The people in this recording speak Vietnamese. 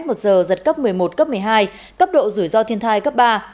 một giờ giật cấp một mươi một cấp một mươi hai cấp độ rủi ro thiên tai cấp ba